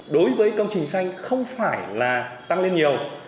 đối với công trình xanh không phải là tăng lên nhiều